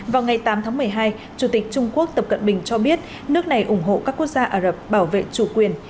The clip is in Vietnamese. vào ngày tám tháng một mươi hai chủ tịch trung quốc tập cận bình cho biết nước này ủng hộ các quốc gia ả rập bảo vệ chủ quyền